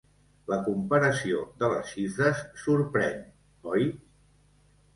La comparació de les xifres sorprèn, oi?